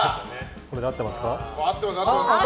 これで合ってますか？